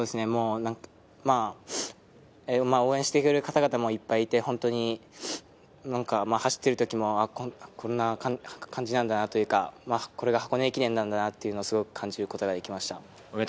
応援してくれる方々もいっぱいいて、本当に走っている時もこんな感じなんだなというか、これが箱根駅伝なんだと感じることができました。